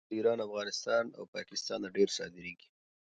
زردالو له ایران، افغانستان او پاکستانه ډېره صادرېږي.